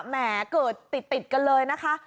แหมเกิดติดกันเลยนะคะ